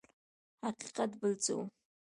حقیقت بل څه و.